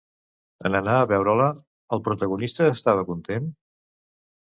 En anar a veure-la, el protagonista estava content?